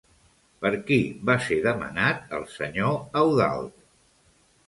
Per qui va ser demanat el senyor Eudald?